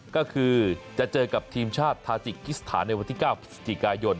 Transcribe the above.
ก็คือจะเจอกับทีมชาติทาจิกกิสถานในวันที่๙พฤศจิกายน